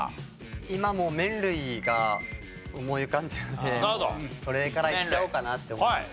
今もう麺類が思い浮かんでるのでそれからいっちゃおうかなって思います。